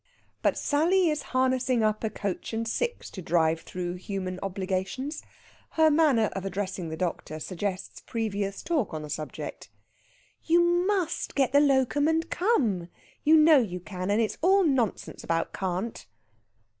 But Sally is harnessing up a coach and six to drive through human obligations. Her manner of addressing the doctor suggests previous talk on the subject. "You must get the locum, and come. You know you can, and it's all nonsense about can't."